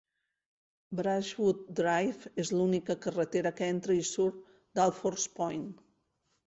Brushwood Drive és l'única carretera que entra i surt d'Alfords Point.